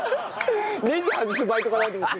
ネジ外すバイトかなと思って。